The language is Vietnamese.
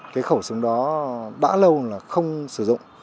cái khẩu súng đó đã lâu là không sử dụng